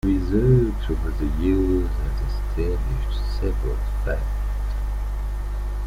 Research over the years has established several facts.